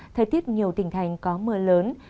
thời tiết nhiều tỉnh thành có mưa lớn